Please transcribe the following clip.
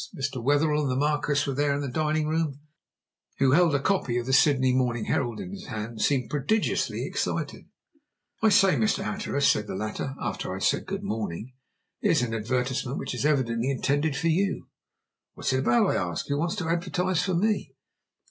Mr. Wetherell and the Marquis were in the dining room, and when I entered both he and the Marquis, who held a copy of the Sydney Morning Herald in his hand, seemed prodigiously excited. "I say, Mr. Hatteras," said the latter (after I had said "Good morning"), "here's an advertisement which is evidently intended for you!" "What is it about?" I asked. "Who wants to advertise for me?"